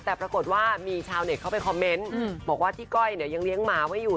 แต่ปรากฏว่ามีชาวเน็ตเข้าไปคอมเมนต์บอกว่าพี่ก้อยเนี่ยยังเลี้ยงหมาไว้อยู่